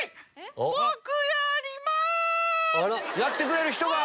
やってくれる人が！